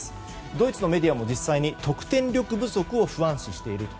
ドイツのメディアも実際に得点力不足を不安視している。